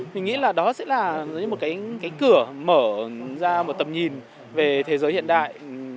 mình nghĩ là đó sẽ là dưới một cái cửa mở ra một tầm nhìn về thế giới hiện đại